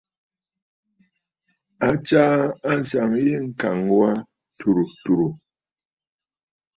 A tsaa àŋsaŋ yî ŋ̀kàŋ wà tùrə̀ tùrə̀.